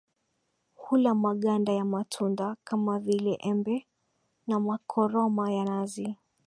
Hula maganda ya matunda kama vile Embe na makoroma ya nazi